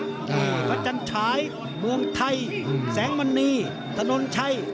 พระจันทรายมวงไทยแสงมณีถนนชัย